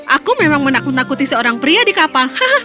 aku memang menakut nakuti seorang pria di kapal